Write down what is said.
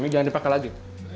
ini jangan dipake lagi